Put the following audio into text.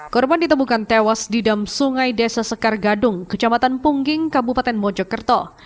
korban ditemukan tewas di dam sungai desa sekar gadung kecamatan pungging kabupaten mojokerto